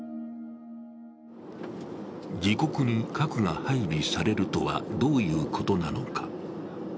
自国に核が配備されるとは、どういうことなのか。